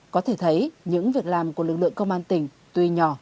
có thể thấy những việc làm của lực lượng công an tỉnh tuy nhỏ